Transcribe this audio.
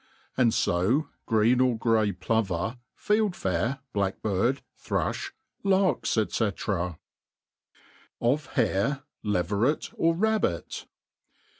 And fo green or grey plover, fieldfare, blackbird, tbrufli, hrks, ice. V Of Harey Leveret^ or Rabbit.